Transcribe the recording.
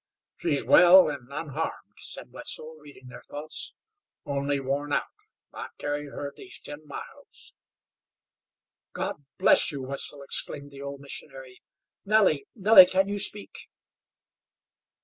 "She's well, an' unharmed," said Wetzel, reading their thoughts, "only worn out. I've carried her these ten miles." "God bless you, Wetzel!" exclaimed the old missionary. "Nellie, Nellie, can you speak?"